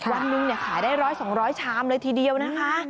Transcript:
วันหนึ่งขายได้๑๐๐๒๐๐ชามเลยทีเดียวนะคะ